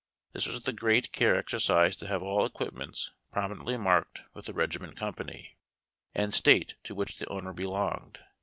This was the great care exercised to have all equipments prominently marked with the regiment, company, and State to which the owner belonged.